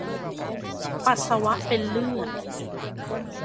ปัสสาวะเป็นเลือด